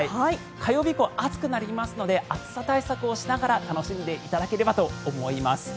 火曜日以降暑くなりますので暑さ対策をしながら楽しんでいただければと思います。